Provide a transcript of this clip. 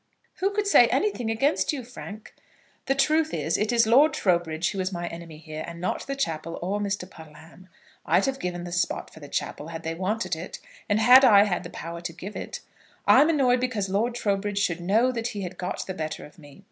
"Who could say anything against you, Frank?" "The truth is, it is Lord Trowbridge who is my enemy here, and not the chapel or Mr. Puddleham. I'd have given the spot for the chapel, had they wanted it, and had I had the power to give it. I'm annoyed because Lord Trowbridge should know that he had got the better of me.